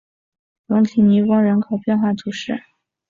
龙提尼翁人口变化图示